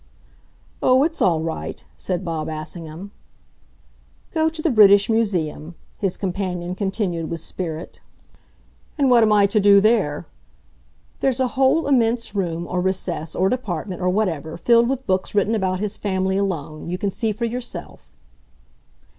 "Oh, it's all right," said Bob Assingham. "Go to the British Museum," his companion continued with spirit. "And what am I to do there?" "There's a whole immense room, or recess, or department, or whatever, filled with books written about his family alone. You can see for yourself."